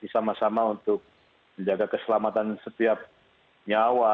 sama sama untuk menjaga keselamatan setiap nyawa